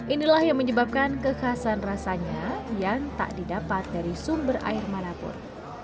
inilah yang menyebabkan kekhasan rasanya yang tak didapat dari sumber air manapun